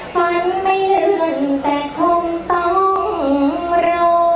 ฝันไม่เลื่อนแต่คงต้องรอ